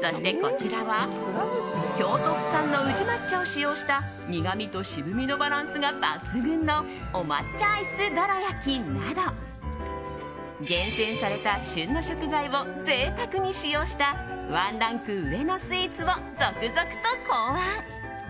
そして、こちらは京都府産の宇治抹茶を使用した苦みと渋みのバランスが抜群のお抹茶アイスどらやきなど厳選された旬の食材を贅沢に使用したワンランク上のスイーツを続々と考案。